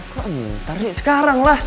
kok ntar sih sekarang lah